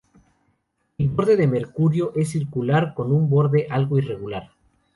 El borde de Mercurio es circular, con un borde algo irregular.